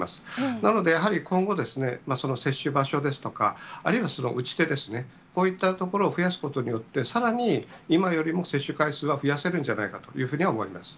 なので、やはり今後、その接種場所ですとか、あるいは打ち手ですね、こういったところを増やすことによって、さらに今よりも接種回数は増やせるんじゃないかと思います。